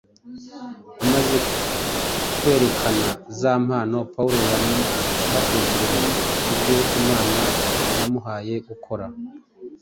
Amaze kwerekana za mpano, Pawulo “yabatekerereje ibyo Imana yamuhaye gukora